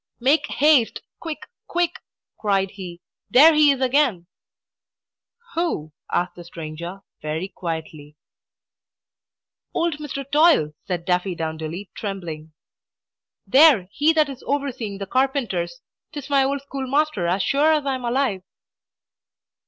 "Make haste. Quick, quick!" cried he. "There he is again!" "Who?" asked the stranger, very quietly. "Old Mr. Toil," said Daffydowndilly, trembling. "There! he that is overseeing the carpenters. 'Tis my old schoolmaster, as sure as I'm alive!"